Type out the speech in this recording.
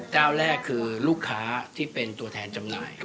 เจ้าแรกคือลูกค้าที่เป็นตัวแทนจำหน่าย